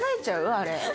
あれ。